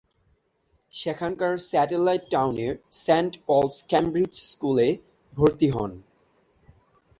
সেখানকার স্যাটেলাইট টাউনের Saint Paul's Cambridge স্কুলে ভর্তি হন।